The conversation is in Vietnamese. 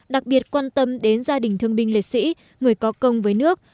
đặc biệt quan tâm đến gia đình thương binh liệt sĩ người có công với nước